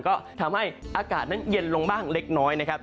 ก็ทำให้อากาศนั้นเย็นลงบ้างเล็กน้อยนะครับ